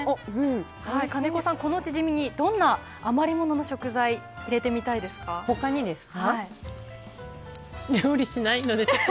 金子さん、このチヂミにどんな余り物の食材入れてみたいで他にですか。